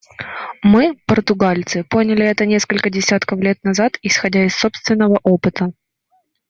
Мы, португальцы, поняли это несколько десятков лет назад, исходя из собственного опыта.